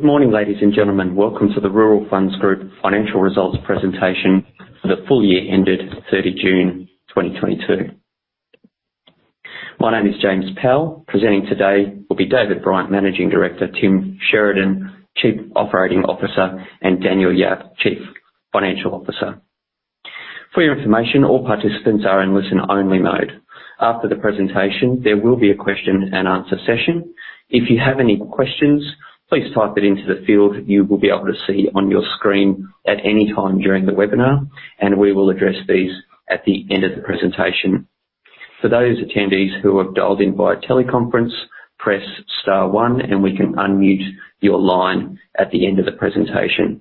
Good morning, ladies and gentlemen. Welcome to the Rural Funds Group Financial Results presentation for the full year ended 30th June 2022. My name is James Powell. Presenting today will be David Bryant, Managing Director, Tim Sheridan, Chief Operating Officer, and Daniel Yap, Chief Financial Officer. For your information, all participants are in listen-only mode. After the presentation, there will be a question and answer session. If you have any questions, please type it into the field you will be able to see on your screen at any time during the webinar, and we will address these at the end of the presentation. For those attendees who have dialed in via teleconference, press star one and we can unmute your line at the end of the presentation.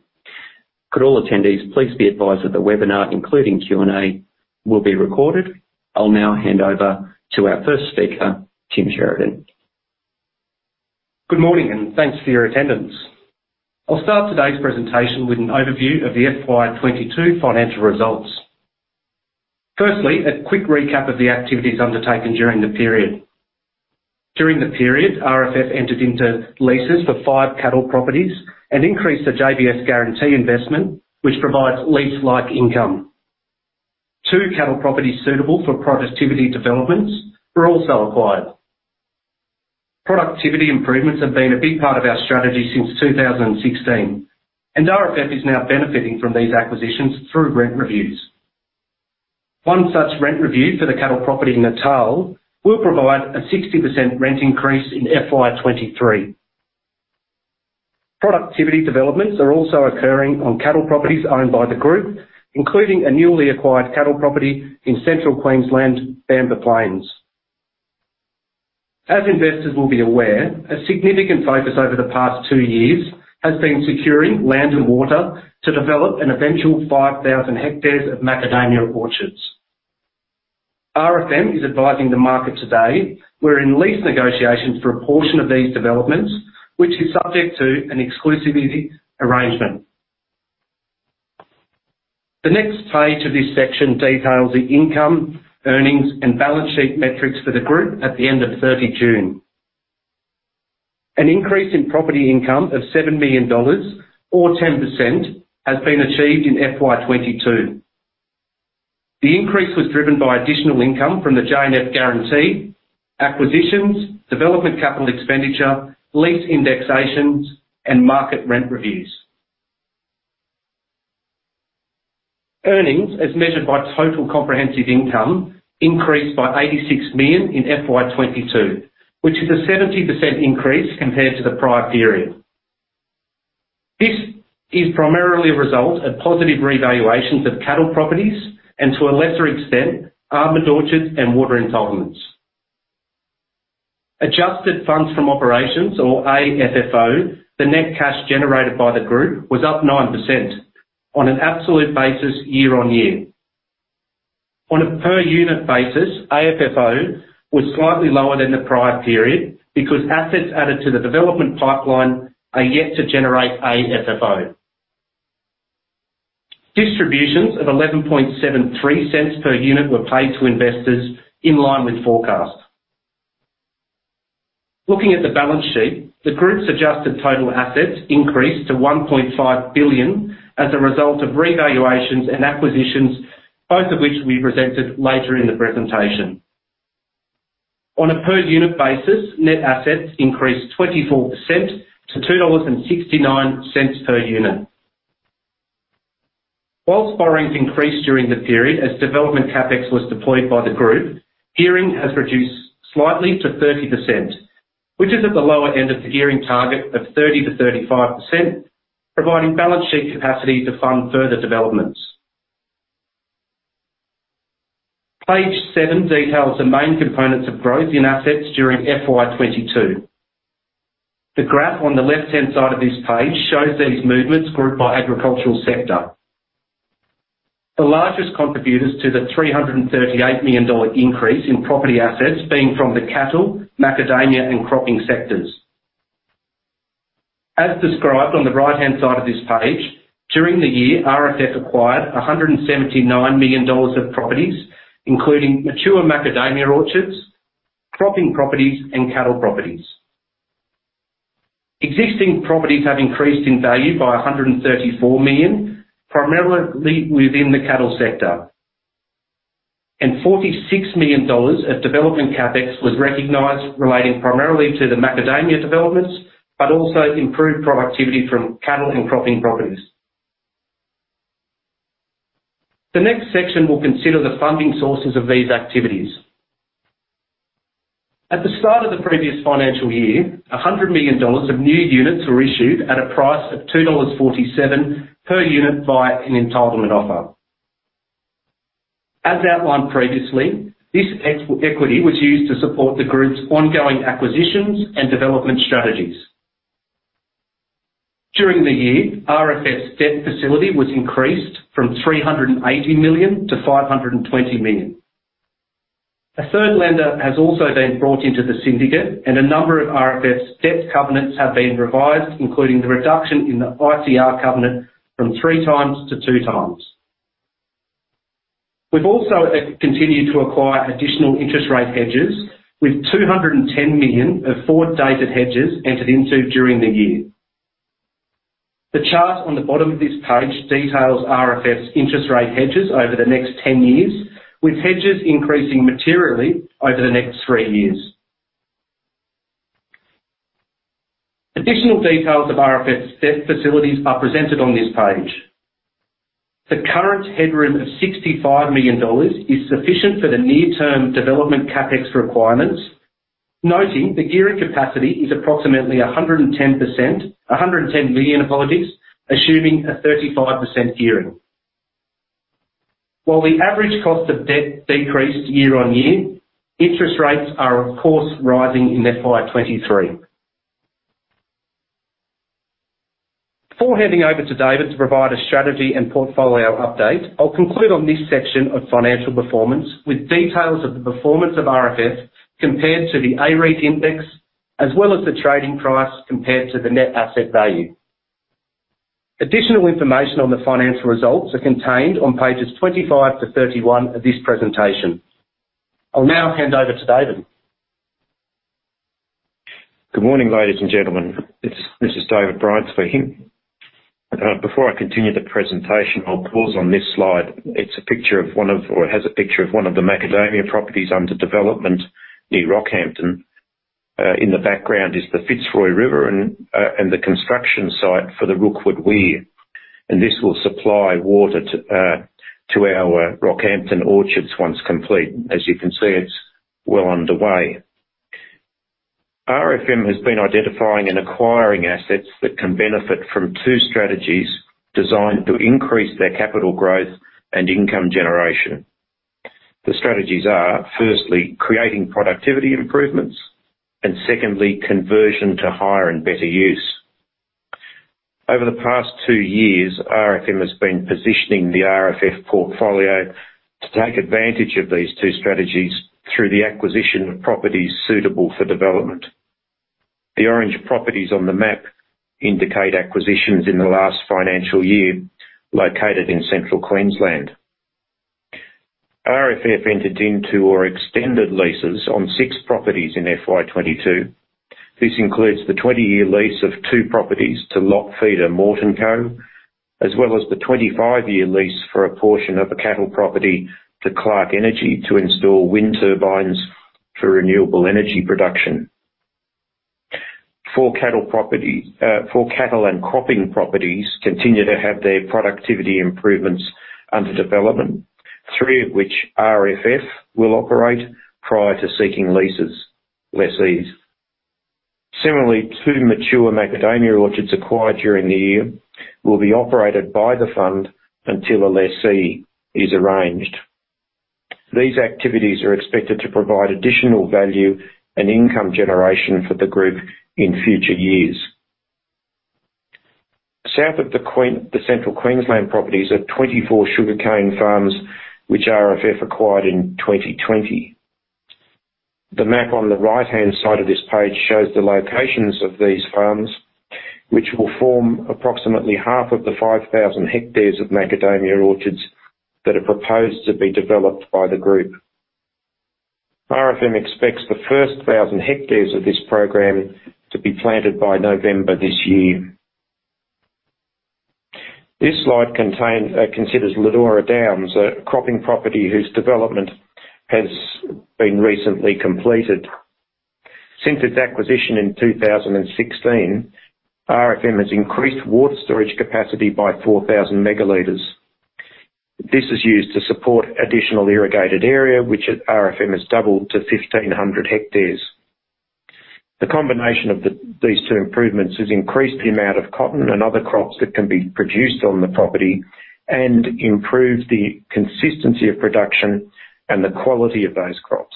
Could all attendees please be advised that the webinar, including Q&A, will be recorded? I'll now hand over to our first speaker, Tim Sheridan. Good morning, and thanks for your attendance. I'll start today's presentation with an overview of the FY 2022 financial results. Firstly, a quick recap of the activities undertaken during the period. During the period, RFF entered into leases for five cattle properties and increased the JBS guarantee investment, which provides lease-like income. Two cattle properties suitable for productivity developments were also acquired. Productivity improvements have been a big part of our strategy since 2016, and RFF is now benefiting from these acquisitions through rent reviews. One such rent review for the cattle property in Natal will provide a 60% rent increase in FY 2023. Productivity developments are also occurring on cattle properties owned by the group, including a newly acquired cattle property in Central Queensland, Baamba Plains. As investors will be aware, a significant focus over the past two years has been securing land and water to develop an eventual 5,000 hectares of macadamia orchards. RFM is advising the market today we're in lease negotiations for a portion of these developments, which is subject to an exclusivity arrangement. The next page of this section details the income, earnings, and balance sheet metrics for the group at the end of June 30th. An increase in property income of 7 million dollars or 10% has been achieved in FY 2022. The increase was driven by additional income from the J&F guarantee, acquisitions, development capital expenditure, lease indexations, and market rent reviews. Earnings, as measured by total comprehensive income, increased by 86 million in FY 2022, which is a 70% increase compared to the prior period. This is primarily a result of positive revaluations of cattle properties and, to a lesser extent, almond orchards and water entitlements. Adjusted funds from operations or AFFO, the net cash generated by the group, was up 9% on an absolute basis year-over-year. On a per unit basis, AFFO was slightly lower than the prior period because assets added to the development pipeline are yet to generate AFFO. Distributions of 0.1173 per unit were paid to investors in line with forecasts. Looking at the balance sheet, the group's adjusted total assets increased to 1.5 billion as a result of revaluations and acquisitions, both of which will be presented later in the presentation. On a per unit basis, net assets increased 24% to AUD 2.69 per unit. While borrowings increased during the period as development CapEx was deployed by the group, gearing has reduced slightly to 30%, which is at the lower end of the gearing target of 30%-35%, providing balance sheet capacity to fund further developments. Page seven details the main components of growth in assets during FY 2022. The graph on the left-hand side of this page shows these movements grouped by agricultural sector. The largest contributors to the 338 million dollar increase in property assets being from the cattle, macadamia, and cropping sectors. As described on the right-hand side of this page, during the year, RFF acquired 179 million dollars of properties, including mature macadamia orchards, cropping properties, and cattle properties. Existing properties have increased in value by 134 million, primarily within the cattle sector. AUD 46 million of development CapEx was recognized relating primarily to the macadamia developments, but also improved productivity from cattle and cropping properties. The next section will consider the funding sources of these activities. At the start of the previous financial year, 100 million dollars of new units were issued at a price of 2.47 dollars per unit via an entitlement offer. As outlined previously, this equity was used to support the group's ongoing acquisitions and development strategies. During the year, RFF's debt facility was increased from 380 million-520 million. A third lender has also been brought into the syndicate and a number of RFF's debt covenants have been revised, including the reduction in the ICR covenant from three times to two times. We've also continued to acquire additional interest rate hedges with 210 million of forward-dated hedges entered into during the year. The chart on the bottom of this page details RFF's interest rate hedges over the next 10 years, with hedges increasing materially over the next three years. Additional details of RFF's debt facilities are presented on this page. The current headroom of 65 million dollars is sufficient for the near-term development CapEx requirements, noting the gearing capacity is approximately 110 percent—110 million, apologies, assuming a 35% gearing. While the average cost of debt decreased year-on-year, interest rates are, of course, rising in FY 2023. Before handing over to David to provide a strategy and portfolio update, I'll conclude on this section of financial performance with details of the performance of RFF compared to the A-REIT Index, as well as the trading price compared to the net asset value. Additional information on the financial results are contained on pages 25-31 of this presentation. I'll now hand over to David. Good morning, ladies and gentlemen. This is David Bryant speaking. Before I continue the presentation, I'll pause on this slide. It has a picture of one of the macadamia properties under development near Rockhampton. In the background is the Fitzroy River and the construction site for the Rookwood Weir. This will supply water to our Rockhampton orchards once complete. As you can see, it's well underway. RFM has been identifying and acquiring assets that can benefit from two strategies designed to increase their capital growth and income generation. The strategies are, firstly, creating productivity improvements, and secondly, conversion to higher and better use. Over the past two years, RFM has been positioning the RFF portfolio to take advantage of these two strategies through the acquisition of properties suitable for development. The orange properties on the map indicate acquisitions in the last financial year located in Central Queensland. RFF entered into or extended leases on six properties in FY 2022. This includes the 20-year lease of two properties to lot feeder Mort & Co, as well as the 25-year lease for a portion of a cattle property to Clarke Creek Wind Farm to install wind turbines for renewable energy production. Four cattle and cropping properties continue to have their productivity improvements under development, three of which RFF will operate prior to seeking lessees. Similarly, two mature macadamia orchards acquired during the year will be operated by the fund until a lessee is arranged. These activities are expected to provide additional value and income generation for the group in future years. South of the Central Queensland properties are 24 sugarcane farms which RFF acquired in 2020. The map on the right-hand side of this page shows the locations of these farms, which will form approximately half of the 5,000 hectares of macadamia orchards that are proposed to be developed by the group. RFM expects the first 1,000 hectares of this program to be planted by November this year. This slide considers Lynora Downs, a cropping property whose development has been recently completed. Since its acquisition in 2016, RFM has increased water storage capacity by 4,000 megaliters. This is used to support additional irrigated area, which at RFM has doubled to 1,500 hectares. The combination of these two improvements has increased the amount of cotton and other crops that can be produced on the property and improved the consistency of production and the quality of those crops.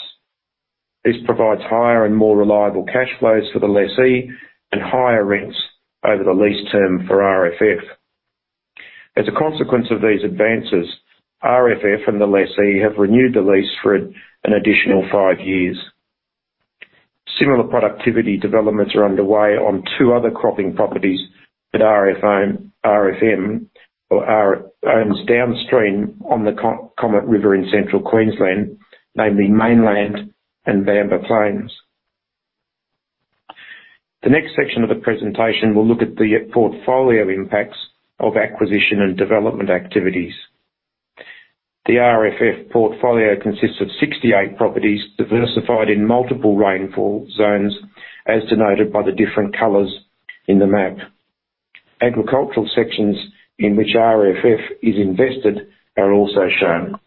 This provides higher and more reliable cash flows for the lessee and higher rents over the lease term for RFF. As a consequence of these advances, RFF and the lessee have renewed the lease for an additional five years. Similar productivity developments are underway on two other cropping properties that RFM owns downstream on the Comet River in Central Queensland, namely Mayneland and Baamba Plains. The next section of the presentation will look at the portfolio impacts of acquisition and development activities. The RFF portfolio consists of 68 properties diversified in multiple rainfall zones, as denoted by the different colors in the map. Agricultural sections in which RFF is invested are also shown.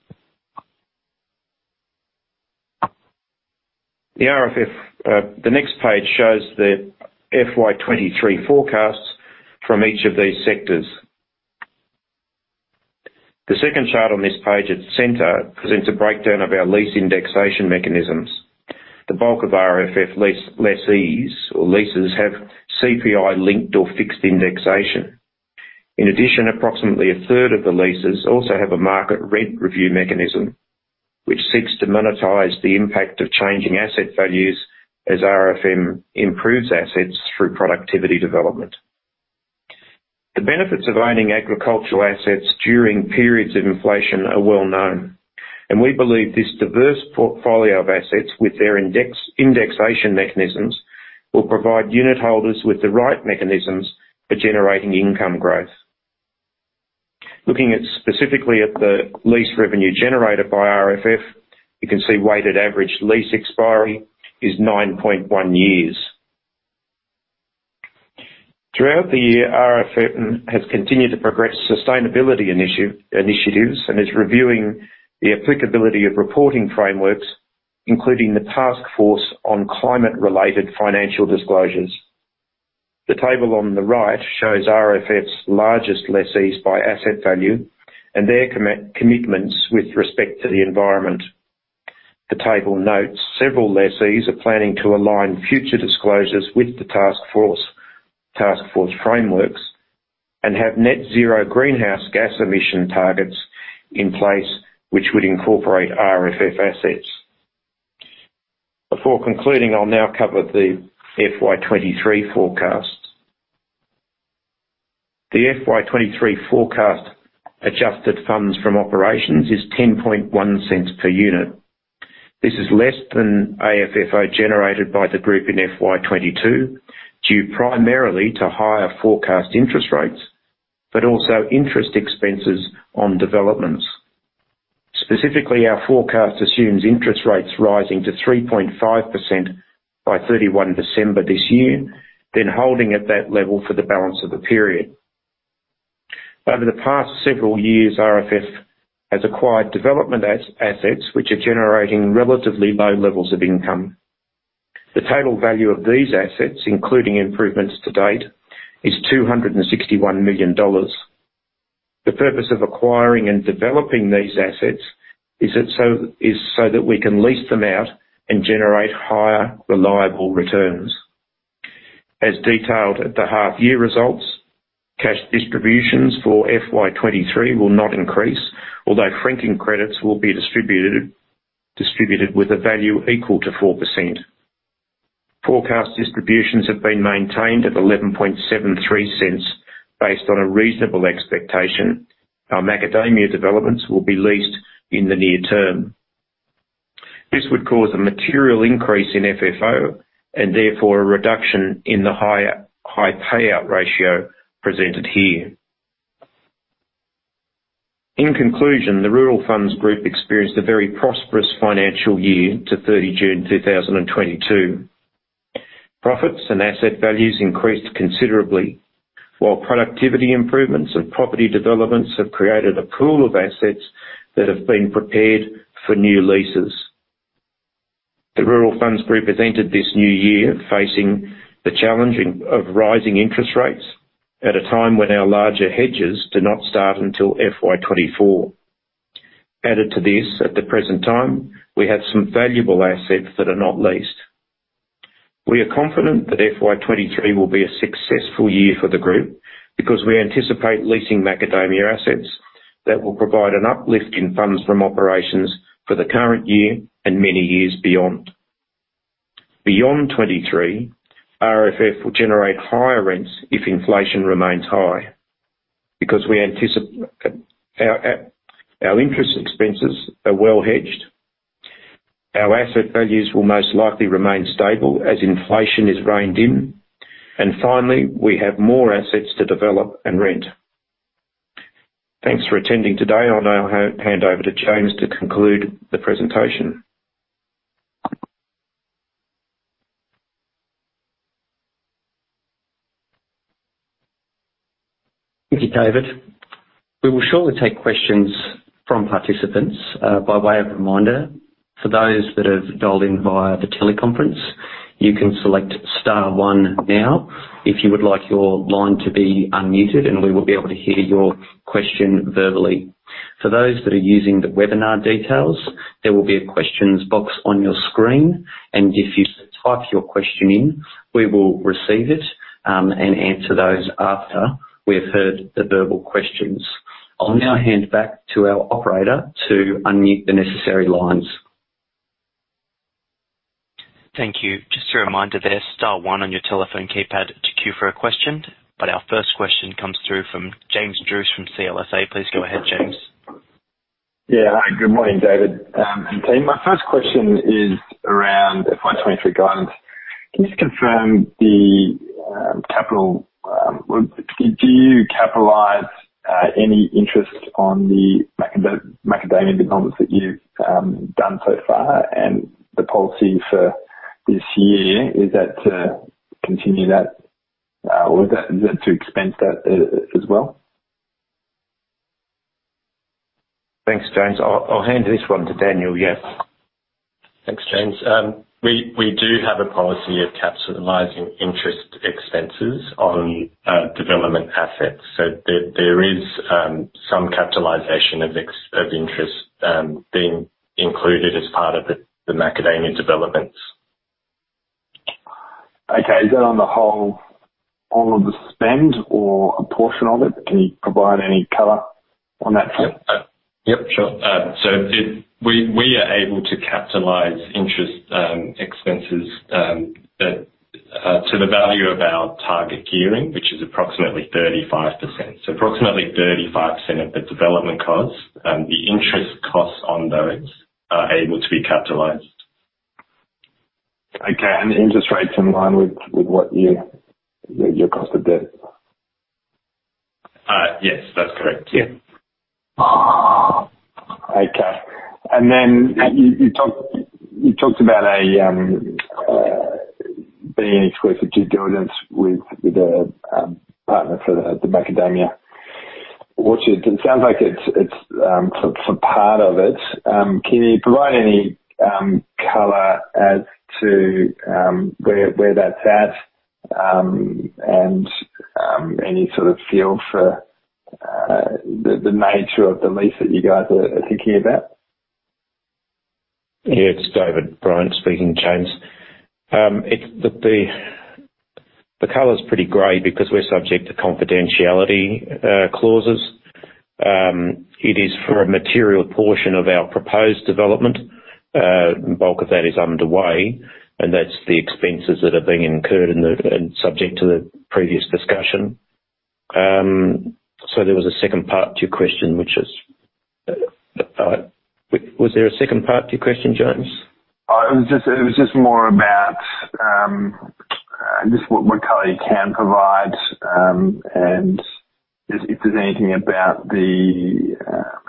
The next page shows the FY 2023 forecasts from each of these sectors. The second chart on this page at center presents a breakdown of our lease indexation mechanisms. The bulk of RFF leases have CPI-linked or fixed indexation. In addition, approximately a third of the leases also have a market rent review mechanism, which seeks to monetize the impact of changing asset values as RFM improves assets through productivity development. The benefits of owning agricultural assets during periods of inflation are well known, and we believe this diverse portfolio of assets with their indexation mechanisms will provide unit holders with the right mechanisms for generating income growth. Looking specifically at the lease revenue generated by RFF, you can see weighted average lease expiry is 9.1 years. Throughout the year, RFF has continued to progress sustainability initiatives and is reviewing the applicability of reporting frameworks, including the Task Force on Climate-related Financial Disclosures. The table on the right shows RFF's largest lessees by asset value and their commitments with respect to the environment. The table notes several lessees are planning to align future disclosures with the Task Force frameworks and have net zero greenhouse gas emission targets in place which would incorporate RFF assets. Before concluding, I'll now cover the FY 2023 forecast. The FY 2023 forecast adjusted funds from operations is 0.101 per unit. This is less than AFFO generated by the group in FY 2022, due primarily to higher forecast interest rates, but also interest expenses on developments. Specifically, our forecast assumes interest rates rising to 3.5% by 31 December this year, then holding at that level for the balance of the period. Over the past several years, RFF has acquired development assets which are generating relatively low levels of income. The total value of these assets, including improvements to date, is 261 million dollars. The purpose of acquiring and developing these assets is so that we can lease them out and generate higher reliable returns. As detailed at the half-year results, cash distributions for FY 23 will not increase, although franking credits will be distributed with a value equal to 4%. Forecast distributions have been maintained at 0.1173 based on a reasonable expectation our macadamia developments will be leased in the near term. This would cause a material increase in FFO and therefore a reduction in the high payout ratio presented here. In conclusion, the Rural Funds Group experienced a very prosperous financial year to 30 June 2022. Profits and asset values increased considerably, while productivity improvements and property developments have created a pool of assets that have been prepared for new leases. The Rural Funds Group has entered this new year facing the challenge of rising interest rates at a time when our larger hedges do not start until FY 2024. Added to this, at the present time, we have some valuable assets that are not leased. We are confident that FY 2023 will be a successful year for the group because we anticipate leasing macadamia assets that will provide an uplift in funds from operations for the current year and many years beyond. Beyond 2023, RFF will generate higher rents if inflation remains high because our interest expenses are well hedged. Our asset values will most likely remain stable as inflation is reined in. Finally, we have more assets to develop and rent. Thanks for attending today. I'll now hand over to James to conclude the presentation. Thank you, David. We will shortly take questions from participants. By way of reminder, for those that have dialed in via the teleconference, you can select star one now if you would like your line to be unmuted and we will be able to hear your question verbally. For those that are using the webinar details, there will be a questions box on your screen and if you type your question in, we will receive it, and answer those after we have heard the verbal questions. I'll now hand back to our operator to unmute the necessary lines. Thank you. Just a reminder there, star one on your telephone keypad to queue for a question, but our first question comes through from James Druce from CLSA. Please go ahead, James. Yeah. Good morning, David and team. My first question is around FY 2023 guidance. Can you confirm the capital, do you capitalize any interest on the macadamia developments that you've done so far and the policy for this year? Is that to continue that, or is that to expense that as well? Thanks, James. I'll hand this one to Daniel Yap. Thanks, James. We do have a policy of capitalizing interest expenses on development assets. There is some capitalization of interest being included as part of the macadamia developments. Okay. Is that on the whole, all of the spend or a portion of it? Can you provide any color on that front? Yep, sure. We are able to capitalize interest expenses up to the value of our target gearing, which is approximately 35%. Approximately 35% of the development costs and the interest costs on those are able to be capitalized. Okay. Interest rates in line with your cost of debt? Yes, that's correct. Yeah. Okay. Then you talked about being in exclusive due diligence with a partner for the macadamia orchard. It sounds like it's for part of it. Can you provide any color as to where that's at, and any sort of feel for the nature of the lease that you guys are thinking about? Yeah. It's David Bryant speaking, James. The color's pretty gray because we're subject to confidentiality clauses. It is for a material portion of our proposed development. The bulk of that is underway, and that's the expenses that are being incurred and subject to the previous discussion. So there was a second part to your question, which is, was there a second part to your question, James? It was just more about what color you can provide, and if there's anything about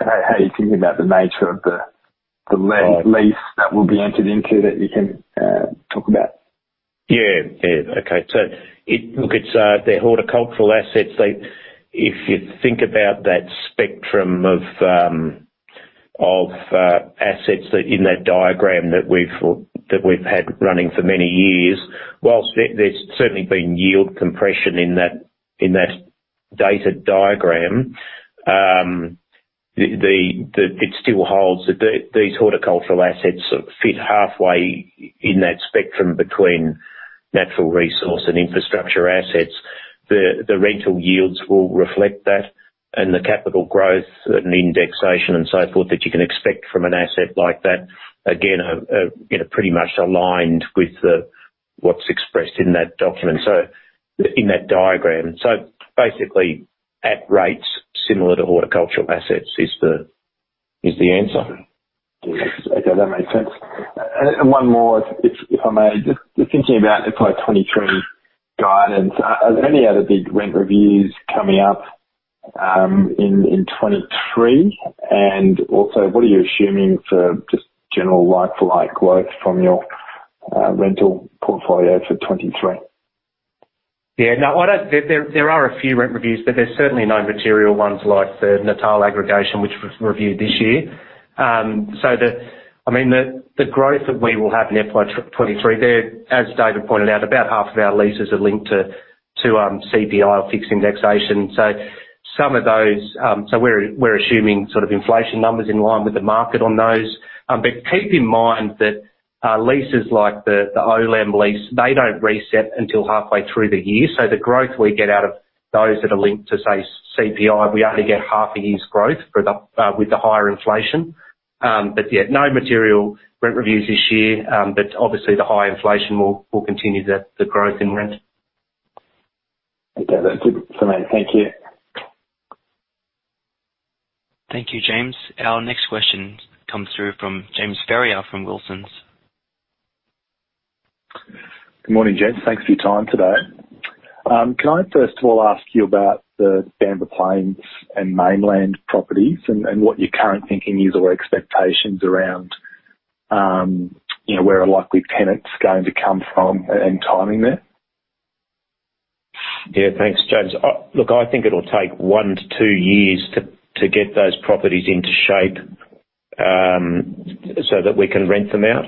how you're thinking about the nature of the lease that will be entered into that you can talk about. Look, it's, they're horticultural assets. If you think about that spectrum of assets that in that diagram that we've had running for many years, while there's certainly been yield compression in that data diagram, it still holds. These horticultural assets fit halfway in that spectrum between natural resource and infrastructure assets. The rental yields will reflect that and the capital growth and indexation and so forth that you can expect from an asset like that, pretty much aligned with what's expressed in that document, so in that diagram. Basically, at rates similar to horticultural assets is the answer. Okay. That makes sense. One more if I may. Just thinking about the FY 2023 guidance, are there any other big rent reviews coming up in 2023? Also, what are you assuming for just general like-for-like growth from your rental portfolio for 2023? There are a few rent reviews, but there's certainly no material ones like the Natal aggregation which was reviewed this year. The growth that we will have in FY 2023 there, as David pointed out, about half of our leases are linked to CPI or fixed indexation. Some of those, we're assuming sort of inflation numbers in line with the market on those. Keep in mind that leases like the Olam lease, they don't reset until halfway through the year. The growth we get out of those that are linked to, say, CPI, we only get half a year's growth for the year with the higher inflation. Yeah, no material rent reviews this year. Obviously the high inflation will continue the growth in rent. Okay. That's it from me. Thank you. Thank you, James. Our next question comes through from James Ferrier from Wilsons. Good morning, gents. Thanks for your time today. Can I first of all ask you about the Baamba Plains and Mayneland properties and what your current thinking is or expectations around, you know, where a likely tenant's going to come from and timing there? Yeah. Thanks, James. Look, I think it'll take 1-2 years to get those properties into shape, so that we can rent them out.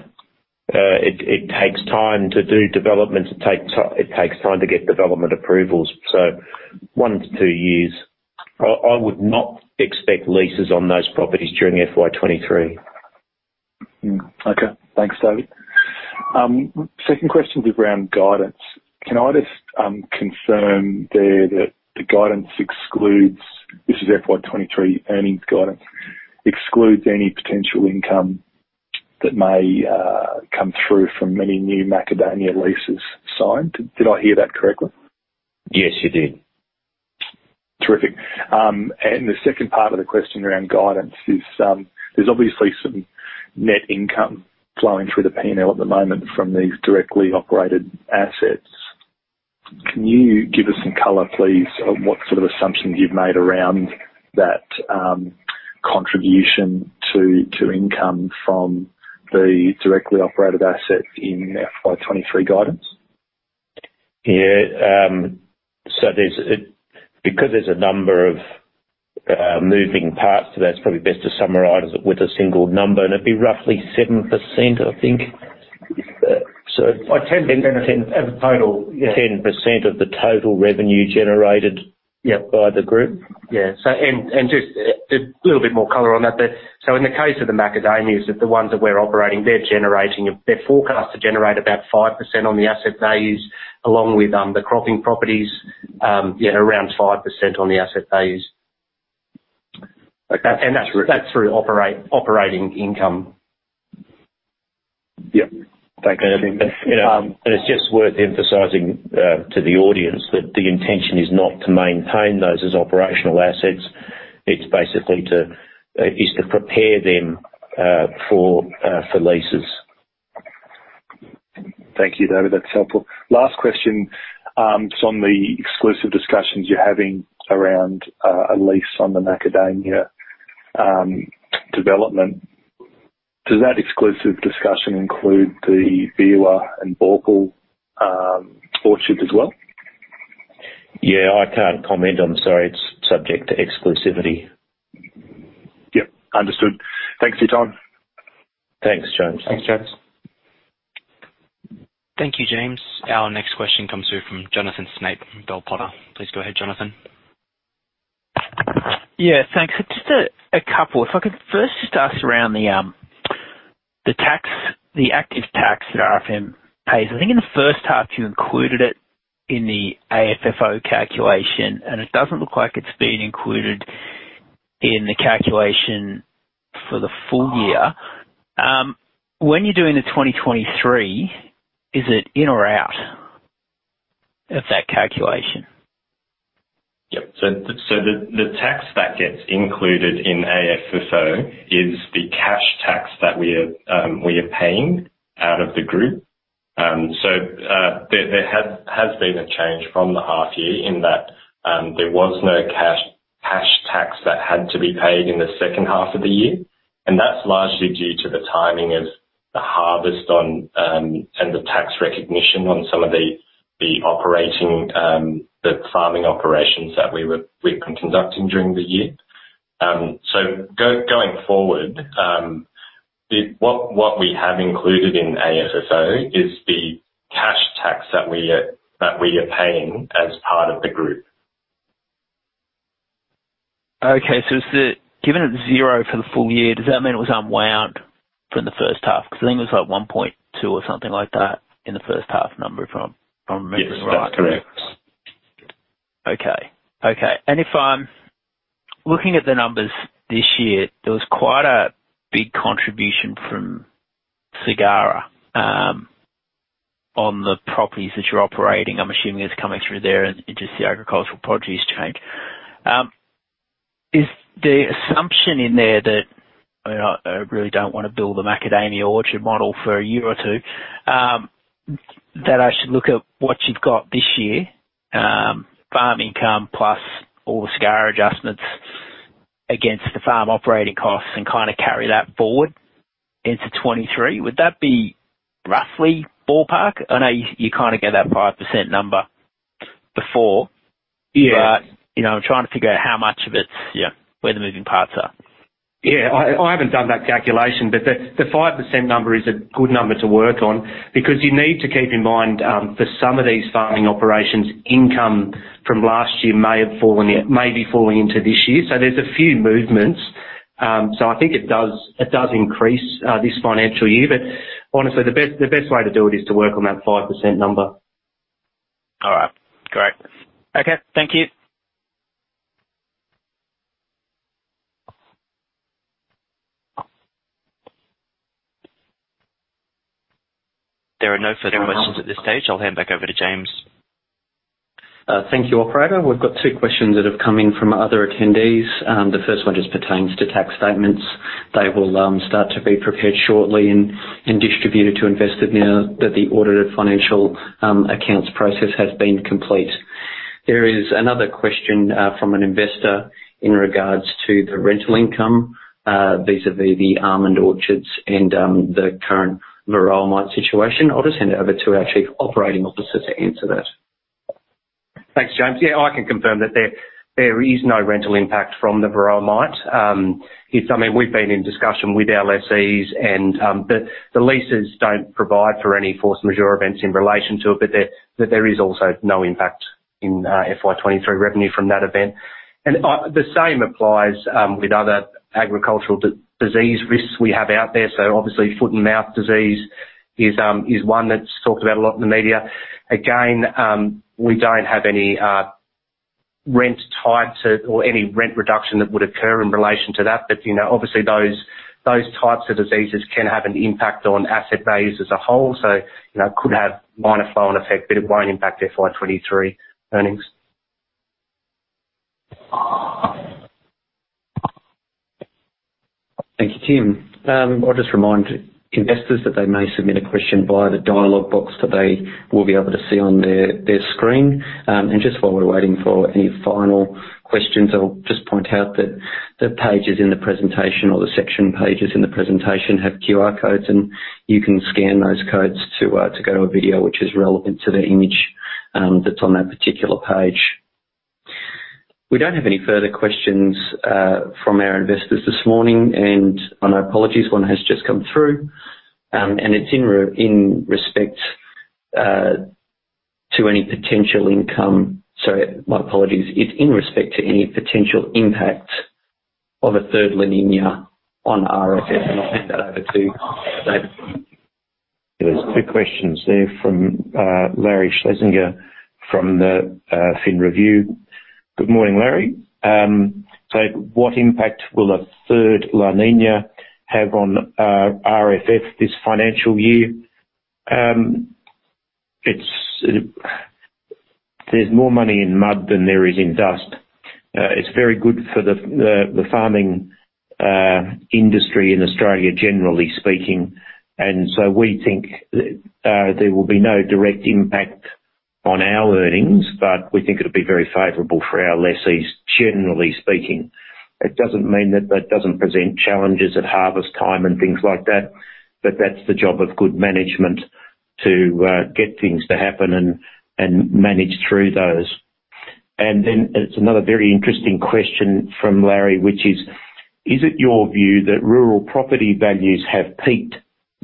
It takes time to do developments. It takes time to get development approvals. So 1-2 years. I would not expect leases on those properties during FY 2023. Okay. Thanks, David. Second question is around guidance. Can I just confirm there that the guidance excludes, this is FY 2023 earnings guidance, excludes any potential income that may come through from any new macadamia leases signed? Did I hear that correctly? Yes, you did. Terrific. The second part of the question around guidance is, there's obviously some net income flowing through the P&L at the moment from these directly operated assets. Can you give us some color, please, on what sort of assumptions you've made around that, contribution to income from the directly operated assets in FY 2023 guidance? Because there's a number of moving parts to that, it's probably best to summarize it with a single number, and it'd be roughly 7%, I think. Like 10% of the total. Yeah. 10% of the total revenue generated. Yeah. by the group. Just a little bit more color on that there. In the case of the macadamias, the ones that we're operating, they're forecast to generate about 5% on the asset values. Along with the cropping properties, around 5% on the asset values. Okay. That's through operating income. Yep. Thanks. Um- It's just worth emphasizing to the audience that the intention is not to maintain those as operational assets. It's basically to prepare them for leases. Thank you, David. That's helpful. Last question is on the exclusive discussions you're having around a lease on the macadamia development. Does that exclusive discussion include the Beerwah and Bauple orchards as well? Yeah. Sorry. It's subject to exclusivity. Yep. Understood. Thanks for your time. Thanks, James. Thanks, James. Thank you, James. Our next question comes through from Jonathan Snape from Bell Potter. Please go ahead, Jonathan. Yeah, thanks. Just a couple. If I could first just ask about the actual tax that RFM pays. I think in the first half you included it in the AFFO calculation, and it doesn't look like it's been included in the calculation for the full year. When you're doing the 2023, is it in or out of that calculation? The tax that gets included in AFFO is the cash tax that we are paying out of the group. There has been a change from the half year in that there was no cash tax that had to be paid in the second half of the year, and that's largely due to the timing of the harvest and the tax recognition on some of the operating, the farming operations that we've been conducting during the year. Going forward, what we have included in AFFO is the cash tax that we are paying as part of the group. Given it's zero for the full year, does that mean it was unwound from the first half? Because I think it was like 1.2 or something like that in the first half number, if I'm remembering right. Yes, that's correct. If I'm looking at the numbers this year, there was quite a big contribution from SGARA on the properties that you're operating. I'm assuming it's coming through there in just the agricultural produce change. Is the assumption in there that, I mean, I really don't want to build a macadamia orchard model for a year or two, that I should look at what you've got this year, farm income plus all the SGARA adjustments against the farm operating costs and kinda carry that forward into 2023. Would that be roughly ballpark? I know you kinda gave that 5% number before. Yeah. You know, I'm trying to figure out how much of it's, you know, where the moving parts are. Yeah. I haven't done that calculation, but the 5% number is a good number to work on because you need to keep in mind, for some of these farming operations, income from last year may have fallen yet, may be falling into this year. There's a few movements. I think it does increase this financial year, but honestly the best way to do it is to work on that 5% number. All right, great. Okay, thank you. There are no further questions at this stage. I'll hand back over to James. Thank you, operator. We've got two questions that have come in from other attendees. The first one just pertains to tax statements. They will start to be prepared shortly and distributed to investors now that the audited financial accounts process has been complete. There is another question from an investor in regards to the rental income vis-a-vis the almond orchards and the current Varroa mite situation. I'll just hand over to our Chief Operating Officer to answer that. Thanks, James. Yeah, I can confirm that there is no rental impact from the Varroa mite. I mean, we've been in discussion with our lessees and, the leases don't provide for any force majeure events in relation to it, but there is also no impact in FY 2023 revenue from that event. The same applies with other agricultural disease risks we have out there. Obviously, foot-and-mouth disease is one that's talked about a lot in the media. Again, we don't have any rent tied to, or any rent reduction that would occur in relation to that. You know, obviously those types of diseases can have an impact on asset values as a whole. You know, it could have minor flow on effect, but it won't impact FY 2023 earnings. Thank you, Tim. I'll just remind investors that they may submit a question via the dialogue box that they will be able to see on their screen. Just while we're waiting for any final questions, I will just point out that the pages in the presentation or the section pages in the presentation have QR codes, and you can scan those codes to go to a video which is relevant to the image that's on that particular page. We don't have any further questions from our investors this morning. Apologies, one has just come through, and it's in respect to any potential income. My apologies. It's in respect to any potential impact of a third La Niña on RFF, and I'll hand that over to David. There's two questions there from Larry Schlesinger from the Fin Review. Good morning, Larry. So what impact will a third La Niña have on RFF this financial year? There's more money in mud than there is in dust. It's very good for the farming industry in Australia, generally speaking. We think there will be no direct impact on our earnings, but we think it'll be very favorable for our lessees, generally speaking. It doesn't mean that that doesn't present challenges at harvest time and things like that, but that's the job of good management to get things to happen and manage through those. It's another very interesting question from Larry, which is. Is it your view that rural property values have peaked,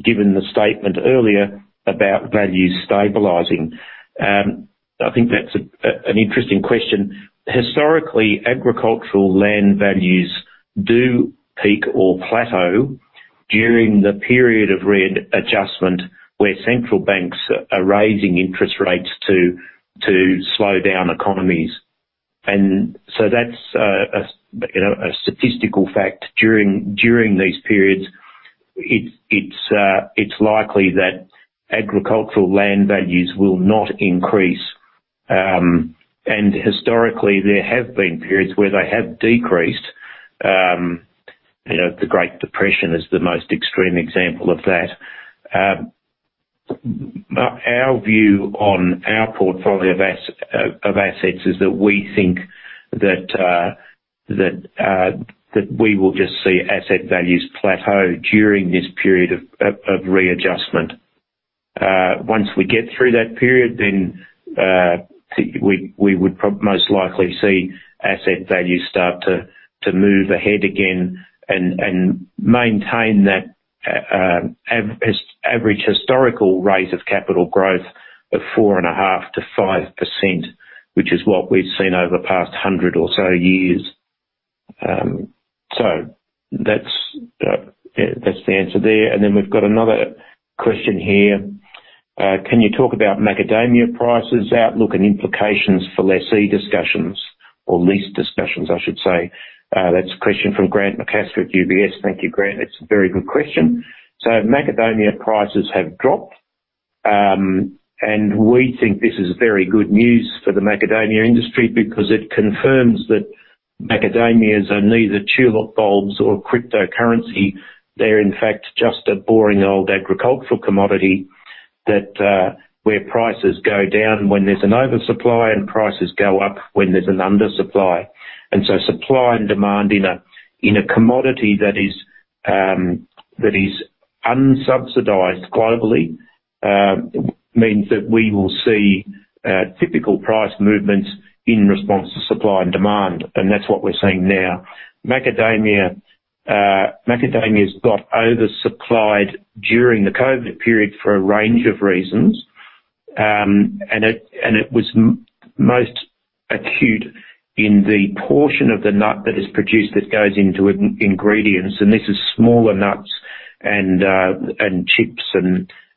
given the statement earlier about values stabilizing? I think that's an interesting question. Historically, agricultural land values do peak or plateau during the period of readjustment, where central banks are raising interest rates to slow down economies. That's as you know, a statistical fact. During these periods, it's likely that agricultural land values will not increase. Historically, there have been periods where they have decreased. You know, the Great Depression is the most extreme example of that. Our view on our portfolio of SGARA assets is that we think that we will just see asset values plateau during this period of readjustment. Once we get through that period, we would most likely see asset values start to move ahead again and maintain that average historical rate of capital growth of 4.5%-5%, which is what we've seen over the past 100 or so years. That's the answer there. We've got another question here. Can you talk about macadamia prices outlook and implications for lessee discussions or lease discussions, I should say. That's a question from Grant McCasker at UBS. Thank you, Grant. That's a very good question. Macadamia prices have dropped, and we think this is very good news for the macadamia industry because it confirms that macadamias are neither tulip bulbs nor cryptocurrency. They're in fact just a boring old agricultural commodity that where prices go down when there's an oversupply and prices go up when there's an undersupply. Supply and demand in a commodity that is unsubsidized globally means that we will see typical price movements in response to supply and demand, and that's what we're seeing now. Macadamias got oversupplied during the COVID period for a range of reasons, and it was most acute in the portion of the nut that is produced that goes into ingredients, and this is smaller nuts and chips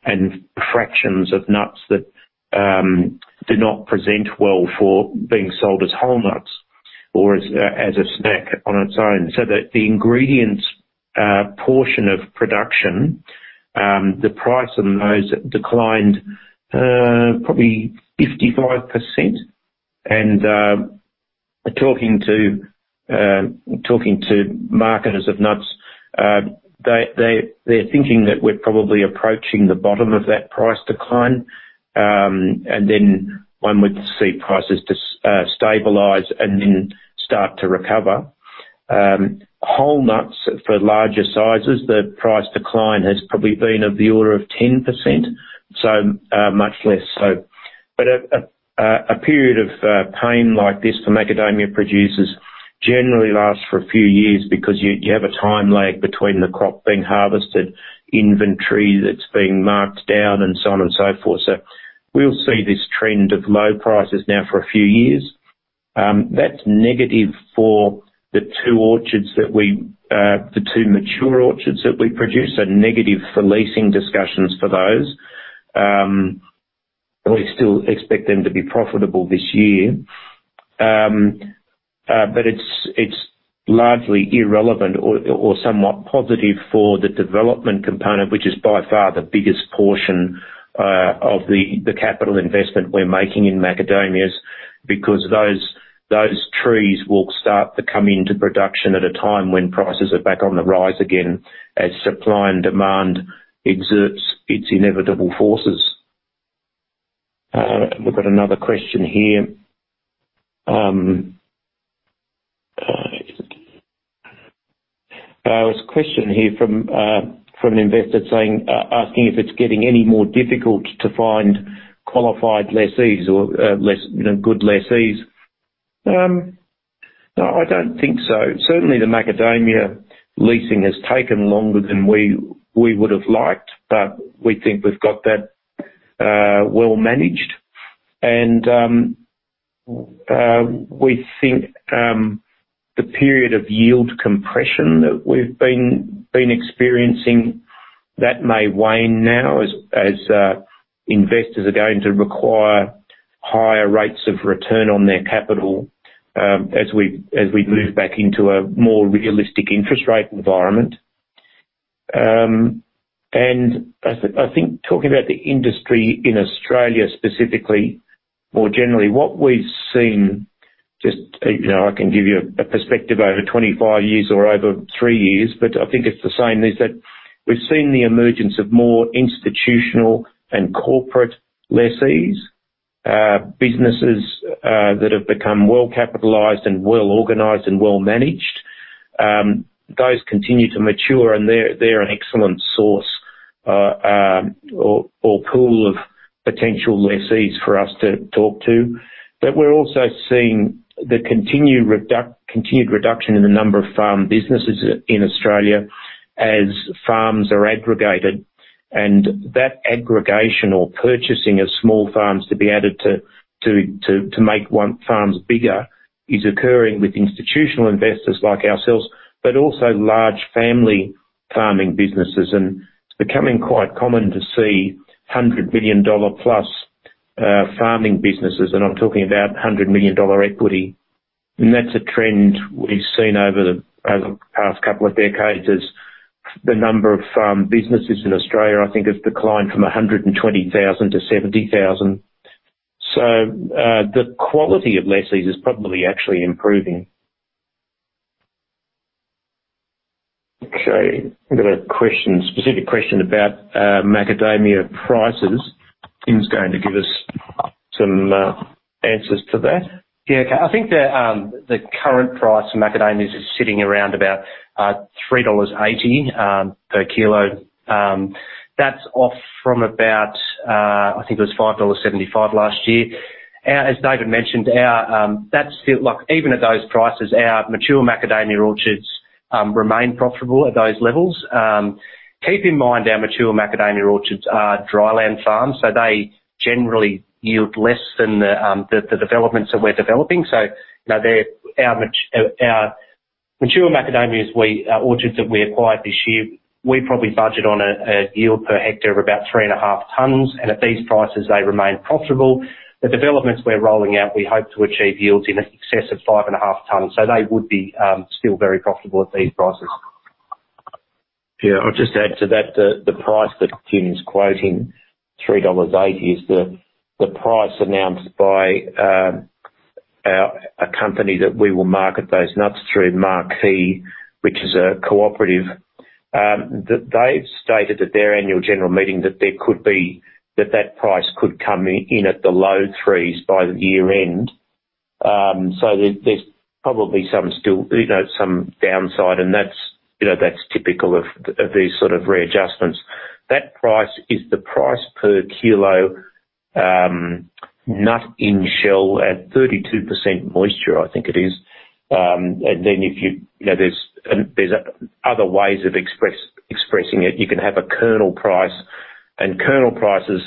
and fractions of nuts that do not present well for being sold as whole nuts or as a snack on its own. The in-shell portion of production, the price on those declined probably 55%. Talking to marketers of nuts, they're thinking that we're probably approaching the bottom of that price decline, and then one would see prices just stabilize and then start to recover. Whole nuts for larger sizes, the price decline has probably been of the order of 10%, so much less so. A period of pain like this for macadamia producers generally lasts for a few years because you have a time lag between the crop being harvested, inventory that's being marked down, and so on and so forth. We'll see this trend of low prices now for a few years. That's negative for the two mature orchards that we produce, so negative for leasing discussions for those. We still expect them to be profitable this year. It's largely irrelevant or somewhat positive for the development component, which is by far the biggest portion of the capital investment we're making in macadamias, because those trees will start to come into production at a time when prices are back on the rise again as supply and demand exerts its inevitable forces. We've got another question here. There's a question here from an investor saying, asking if it's getting any more difficult to find qualified lessees or good lessees. No, I don't think so. Certainly, the macadamia leasing has taken longer than we would have liked, but we think we've got that well managed. We think the period of yield compression that we've been experiencing may wane now as investors are going to require higher rates of return on their capital, as we move back into a more realistic interest rate environment. I think talking about the industry in Australia specifically, more generally, what we've seen just, you know, I can give you a perspective over 25 years or over three years, but I think it's the same, is that we've seen the emergence of more institutional and corporate lessees, businesses that have become well-capitalized and well-organized and well-managed. Those continue to mature, and they're an excellent source or pool of potential lessees for us to talk to. We're also seeing the continued reduction in the number of farm businesses in Australia as farms are aggregated. That aggregation or purchasing of small farms to be added to make one farm bigger is occurring with institutional investors like ourselves, but also large family farming businesses. It's becoming quite common to see 100 million dollar+ farming businesses, and I'm talking about 100 million dollar equity. That's a trend we've seen over the past couple of decades. The number of businesses in Australia, I think, has declined from 120,000-70,000. The quality of lessees is probably actually improving. Okay, I've got a question, specific question about macadamia prices. Tim's going to give us some answers to that. Yeah, okay. I think the current price of macadamias is sitting around about 3.80 dollars per kilo. That's off from about. I think it was 5.75 dollars last year. As David mentioned, our that's still. Like, even at those prices, our mature macadamia orchards remain profitable at those levels. Keep in mind our mature macadamia orchards are dry land farms, so they generally yield less than the developments that we're developing. You know, they're our mature macadamia orchards that we acquired this year. We probably budget on a yield per hectare of about 3.5 tons, and at these prices, they remain profitable. The developments we're rolling out, we hope to achieve yields in excess of 5.5 tons, so they would be still very profitable at these prices. Yeah. I'll just add to that, the price that Tim's quoting, 3.08 dollars, is the price announced by a company that we will market those nuts through, Marquis, which is a cooperative. They've stated at their annual general meeting that that price could come in at the low threes by the year end. There's probably some still, you know, some downside, and that's, you know, that's typical of these sort of readjustments. That price is the price per kilo, nut-in-shell at 32% moisture, I think it is. And then if you know, there's other ways of expressing it. You can have a kernel price, and kernel prices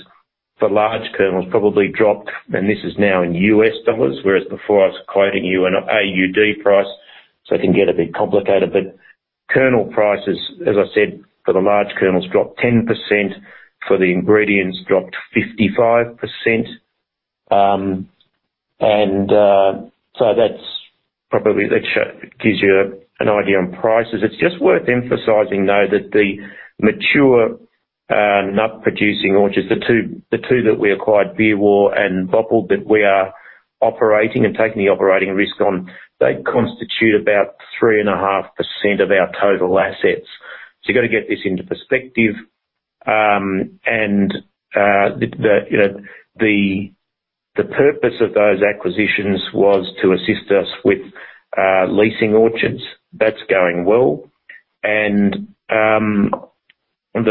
for large kernels probably dropped, and this is now in US dollars, whereas before I was quoting you an AUD price, so it can get a bit complicated. Kernel prices, as I said, for the large kernels dropped 10%, for the ingredients dropped 55%. That's probably, that gives you an idea on prices. It's just worth emphasizing, though, that the mature nut-producing orchards, the two that we acquired, Beerwah and Bauple, that we are operating and taking the operating risk on, they constitute about 3.5% of our total assets. You've got to get this into perspective. You know, the purpose of those acquisitions was to assist us with leasing orchards. That's going well. The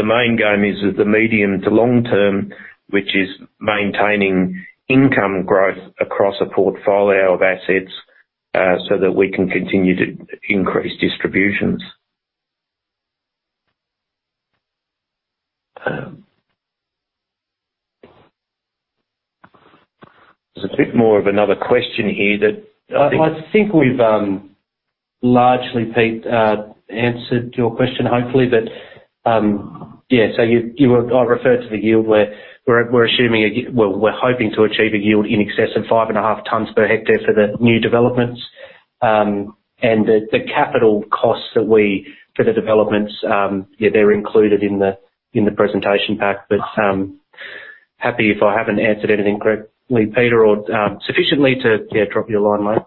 main game is that the medium to long term, which is maintaining income growth across a portfolio of assets, so that we can continue to increase distributions. There's a bit more of another question here that I think. I think we've largely, Pete, answered your question, hopefully. I referred to the yield where we're hoping to achieve a yield in excess of 5.5 tons per hectare for the new developments. The capital costs for the developments, they're included in the presentation pack. I'm happy if I haven't answered anything correctly, Peter, or sufficiently to drop me a line, mate.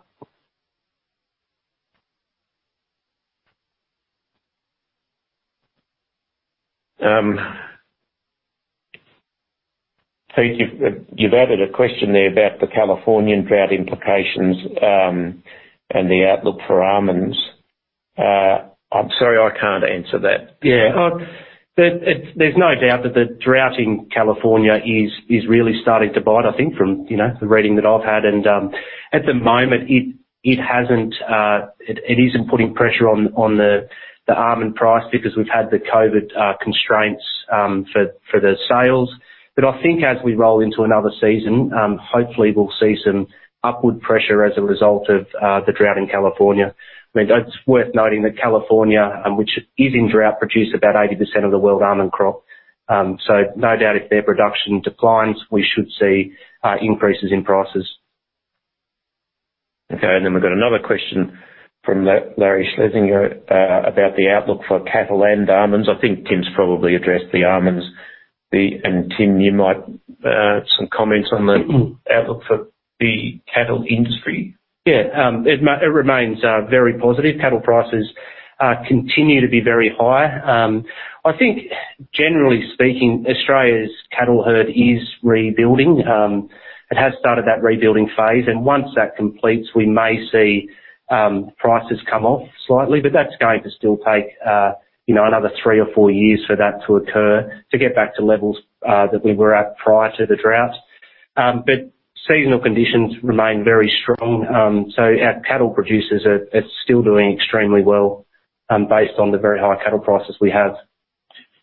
Pete, you've added a question there about the Californian drought implications, and the outlook for almonds. I'm sorry, I can't answer that. Yeah. There's no doubt that the drought in California is really starting to bite, I think, from, you know, the reading that I've had. At the moment, it hasn't, it isn't putting pressure on the almond price because we've had the COVID constraints for the sales. I think as we roll into another season, hopefully we'll see some upward pressure as a result of the drought in California. I mean, it's worth noting that California, which is in drought, produce about 80% of the world almond crop. No doubt if their production declines, we should see increases in prices. Okay. We've got another question from Larry Schlesinger about the outlook for cattle and almonds. I think Tim's probably addressed the almonds. Tim, you might some comments on the outlook for the cattle industry. Yeah. It remains very positive. Cattle prices continue to be very high. I think generally speaking, Australia's cattle herd is rebuilding. It has started that rebuilding phase, and once that completes, we may see prices come off slightly, but that's going to still take you know, another three or four years for that to occur, to get back to levels that we were at prior to the drought. Seasonal conditions remain very strong. Our cattle producers are still doing extremely well based on the very high cattle prices we have.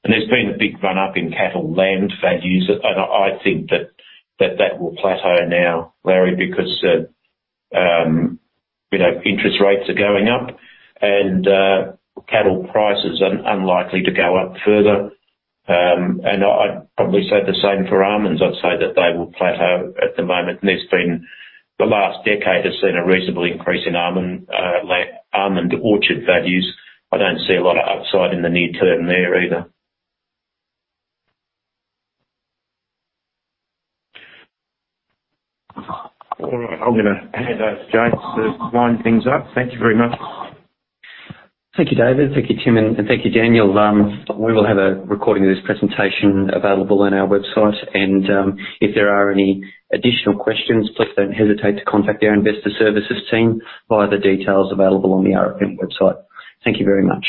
There's been a big run up in cattle land values. I think that will plateau now, Larry, because you know, interest rates are going up and cattle prices are unlikely to go up further. I'd probably say the same for almonds. I'd say that they will plateau at the moment. The last decade has seen a reasonable increase in almond land, almond orchard values. I don't see a lot of upside in the near term there either. All right. I'm gonna hand over to James to wind things up. Thank you very much. Thank you, David. Thank you, Tim, and thank you, Daniel. We will have a recording of this presentation available on our website. If there are any additional questions, please don't hesitate to contact our investor services team via the details available on the RFM website. Thank you very much.